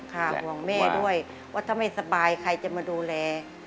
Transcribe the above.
ห่วงแม่ด้วยว่าถ้าไม่สบายใครจะมาดูแล